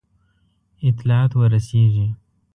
اطلاعات ورسیږي.